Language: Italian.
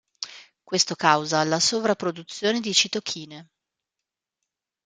Questo causa la sovrapproduzione di citochine.